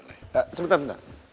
eh sebentar sebentar